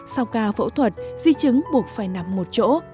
sau ca phẫu thuật di chứng buộc phải nằm một chỗ